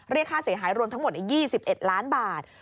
เรียกค่าเสียหายรวมทั้งหมด๒๑ล้านบาท